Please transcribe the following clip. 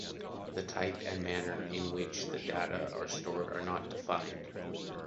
The type and manner in which the data are stored are not defined.